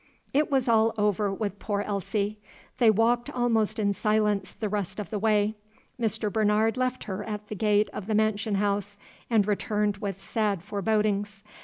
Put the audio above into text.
It was all over with poor Elsie. They walked almost in silence the rest of the way. Mr. Bernard left her at the gate of the mansion house, and returned with sad forebodings.